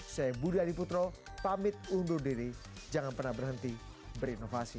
saya budi adiputro pamit undur diri jangan pernah berhenti berinovasi